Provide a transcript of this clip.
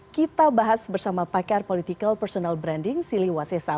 kita bahas bersama pakar political personal branding sili wasesa